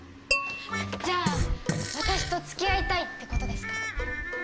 じゃあ私と付き合いたいってことですか？